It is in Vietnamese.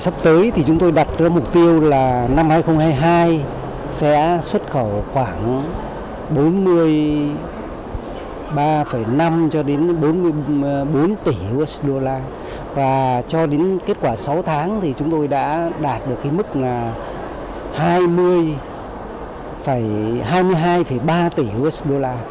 sắp tới chúng tôi đặt ra mục tiêu là năm hai nghìn hai mươi hai sẽ xuất khẩu khoảng bốn mươi ba năm bốn mươi bốn tỷ usd và cho đến kết quả sáu tháng thì chúng tôi đã đạt được mức hai mươi hai ba tỷ usd